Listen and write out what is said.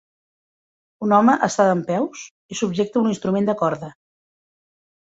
Un home està dempeus i subjecta un instrument de corda.